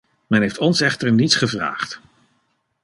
Men heeft ons echter niets gevraagd!